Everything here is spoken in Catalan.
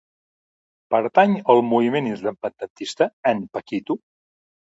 Pertany al moviment independentista el Paquito?